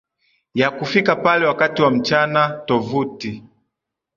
ya kufika pale wakati wa mchana Tovuti